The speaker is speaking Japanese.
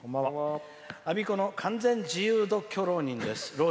我孫子の完全自由独居老人です。